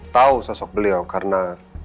tahu sosok beliau karena